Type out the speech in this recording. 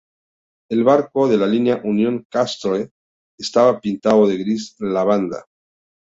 El barco, de la línea Union-Castle, estaba pintado de gris lavanda.